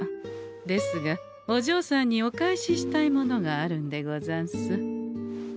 ですがお嬢さんにお返ししたいものがあるんでござんす。